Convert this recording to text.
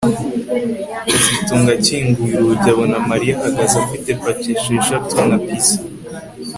kazitunga akinguye urugi abona Mariya ahagaze afite paki esheshatu na pizza